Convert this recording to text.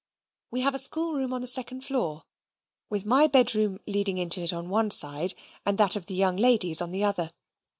We have a schoolroom on the second floor, with my bedroom leading into it on one side, and that of the young ladies on the other.